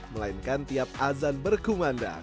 melainkan tiap azan berkumandang